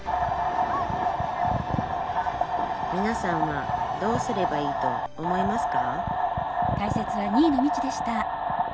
みなさんはどうすればいいと思いますか？